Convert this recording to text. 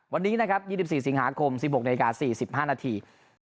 วันนี้นะครับ๒๔สิงหาคม๑๖นาที๔๕นาที